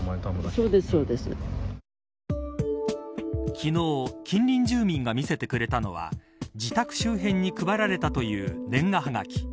昨日近隣住民が見せてくれたのは自宅周辺に配られたという年賀はがき。